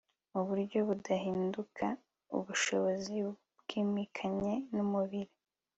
mu buryo budahinduka ubushobozi bwimikaya numubiri